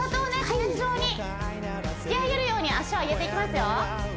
天井に突き上げるように足を上げていきますよ